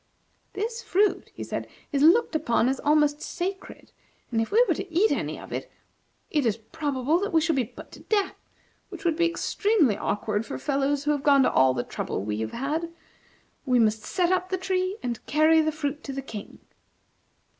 "This fruit," he said, "is looked upon as almost sacred, and if we were to eat any of it, it is probable that we should be put to death, which would be extremely awkward for fellows who have gone to all the trouble we have had. We must set up the tree and carry the fruit to the King."